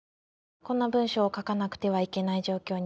「こんな文章を書かなくてはいけない状況に」